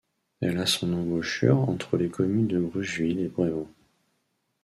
Elle a son embouchure entre les communes de Brucheville et Brévands.